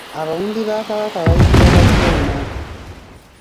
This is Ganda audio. Ababumbi ba kabaka bayitibwa Bajoona.